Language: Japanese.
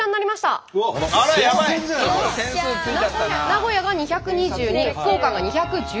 名古屋が２２２福岡が２１１。